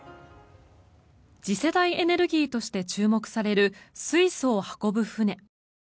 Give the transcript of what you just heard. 次世代エネルギーとして注目される水素を運ぶ船。